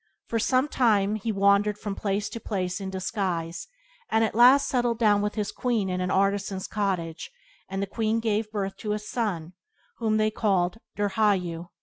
For some time he wandered from place to place in disguise, and at last settled down with his queen in an artisan's cottage; and the queen gave birth to a son, whom they called Dirghayu.